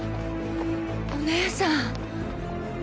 お義姉さん。